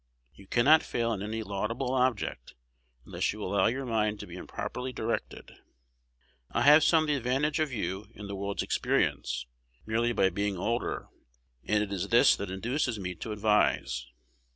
You cannot fail in any laudable object, unless you allow your mind to be improperly directed. I have some the advantage of you in the world's experience, merely by being older; and it is this that induces me to advise.